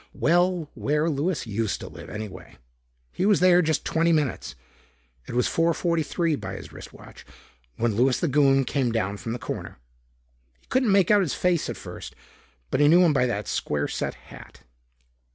Well, where Louis used to live, anyway. He was there just twenty minutes it was 4:43 by his wristwatch when Louis the Goon came down from the corner. He couldn't make out his face at first but he knew him by that square set hat.